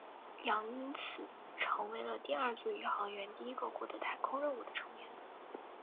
杨因此成为了第二组宇航员第一个获得太空任务的成员。